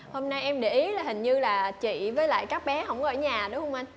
hôm nay em để ý là hình như là chị với lại các bé không ở nhà đúng không anh